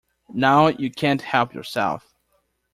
Now you can't help yourself.